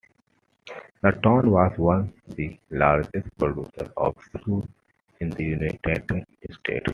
The town was once the largest producer of shoes in the United States.